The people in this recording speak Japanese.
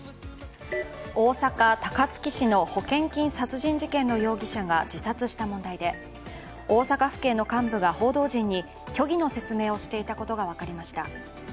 大阪・高槻市の保険金殺人事件の容疑者が自殺した問題で大阪府警の幹部が報道陣に虚偽の説明をしていたことが分かりました。